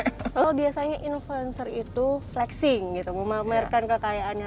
kalau biasanya influencer itu flexing gitu memamerkan kekayaannya